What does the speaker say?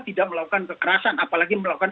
tidak melakukan kekerasan apalagi melakukan